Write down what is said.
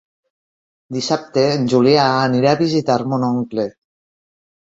Dissabte en Julià anirà a visitar mon oncle.